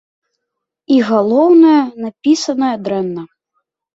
І, галоўнае, напісаная дрэнна.